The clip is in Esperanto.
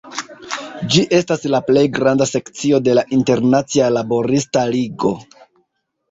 Ĝi estas la plej granda sekcio de la Internacia Laborista Ligo (Kvara Internacio).